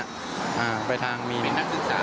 อ่าไปทางมีน